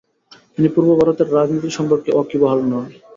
তিনি পূর্ব ভারতের রাজনীতি সম্পর্কে ওয়াকিবহল হন।